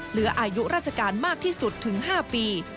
เหลืออายุราชการมากที่สุดถึง๕ปี